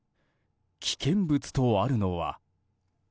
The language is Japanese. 「危険物」とあるのは。